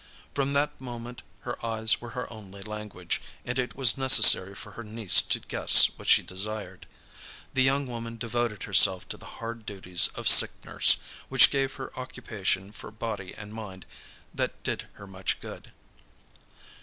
From that moment her eyes were her only language, and it was necessary for her niece to guess what she desired. The young woman devoted herself to the hard duties of sick nurse, which gave her occupation for body and mind that did her much good.